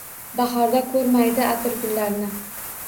Bahorda ko’rmaydi atirgullarni